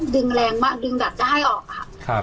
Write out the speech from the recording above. แรงมากดึงแบบจะให้ออกค่ะ